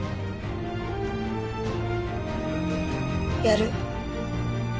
やる。